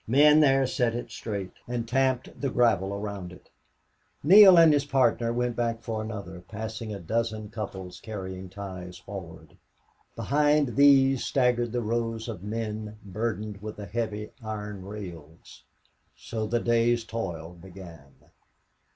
Men there set it straight and tamped the gravel around it. Neale and his partner went back for another, passing a dozen couples carrying ties forward. Behind these staggered the rows of men burdened with the heavy iron rails. So the day's toil began.